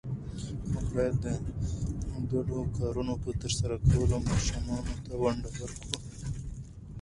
موږ باید د ګډو کارونو په ترسره کولو ماشومانو ته ونډه ورکړو